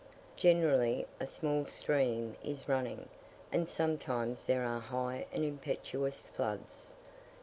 Generally a small stream is running; and sometimes there are high and impetuous floods.